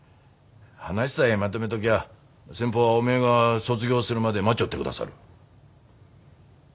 話さえまとめときゃあ先方はおめえが卒業するまで待ちよってくださる。